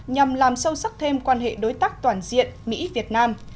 nhằm làm sâu sắc thêm quan hệ đối tác toàn diện mỹ việt nam